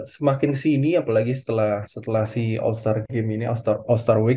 semakin sini apalagi setelah si all star game ini all star week